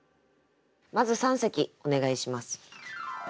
まず三席お願いします。